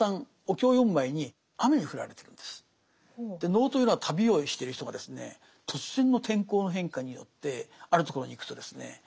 能というのは旅をしてる人がですね突然の天候の変化によってあるところに行くとですね